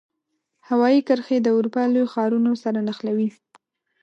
هوایي کرښې د اروپا لوی ښارونو سره نښلوي.